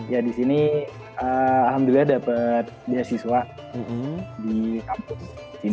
ya di sini alhamdulillah dapat beasiswa di kampus